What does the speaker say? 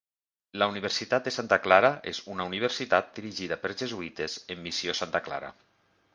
La Universitat de Santa Clara és una universitat dirigida per jesuïtes en Missió Santa Clara.